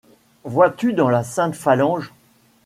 Vois-tu dans la. sainte phalange